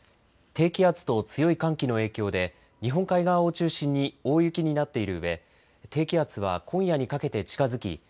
低気圧と強い寒気の影響で日本海側を中心に大雪になっているうえ低気圧は今夜にかけて近づき